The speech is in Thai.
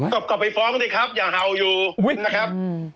กลับกลับไปฟ้องด้วยครับอย่าเฮาอยู่นะครับ